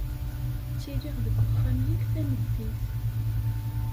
Ttiliɣ deg wexxam yal tameddit.